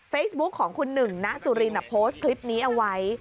เฟซบุ๊กของคุณหนึ่งนะสุรินอะโพสต์คลิปนี้เอาไว้